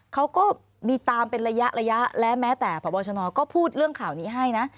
เขาก็มีตามเป็นระยะระยะและแม้แต่พบชนก็พูดเรื่องข่าวนี้ให้นะ